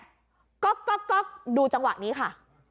ก๊อกก๊อกก๊อกดูจังหวะนี้ค่ะ